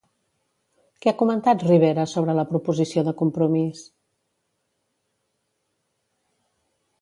Què ha comentat Rivera sobre la proposició de Compromís?